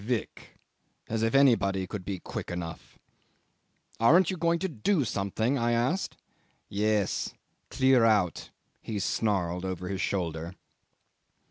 Quick! As if anybody could be quick enough. 'Aren't you going to do something?' I asked. 'Yes. Clear out,' he snarled over his shoulder.